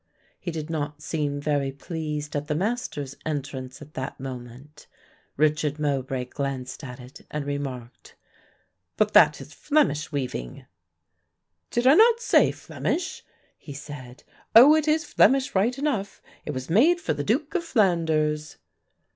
He did not seem very pleased at the master's entrance at that moment; Richard Mowbray glanced at it and remarked, "But that is Flemish weaving." "Did I not say Flemish?" he said. "Oh, it is Flemish right enough; it was made for the Duke of Flanders."